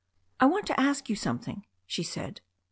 "I want to ask you something," she said.